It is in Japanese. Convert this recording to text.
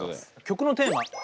曲のテーマ。